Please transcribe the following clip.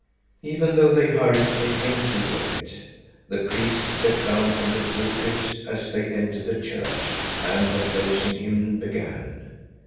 Even though they hurried, they came too late. The priest stepped down from the pulpit as they entered the church, and the closing hymn began.